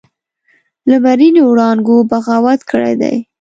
لمرینو وړانګو بغاوت کړی دی